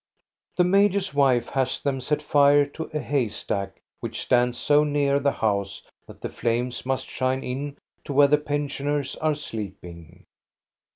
The major's wife has them set fire to a hay stack, which stands so near the house that the flames must shine in to where the pensioners are sleeping.